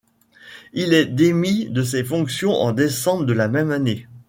Il est démis de ses fonctions en décembre de la même année.